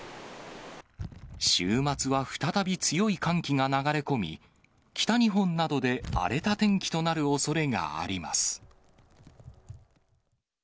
週末は再び強い寒気が流れ込み、北日本などで荒れた天気となるおそれがあります。